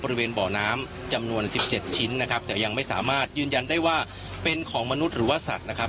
บริเวณบ่อน้ำจำนวน๑๗ชิ้นนะครับแต่ยังไม่สามารถยืนยันได้ว่าเป็นของมนุษย์หรือว่าสัตว์นะครับ